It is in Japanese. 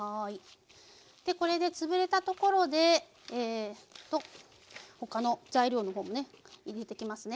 これでつぶれたところで他の材料のほうも入れていきますね。